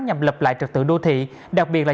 nhằm lập lại trật tự đô thị đặc biệt là